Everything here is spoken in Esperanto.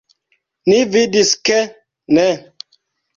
Ni vidis ke ne.